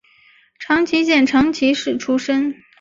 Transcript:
长崎县长崎市出身。